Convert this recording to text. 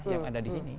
yang ada di sini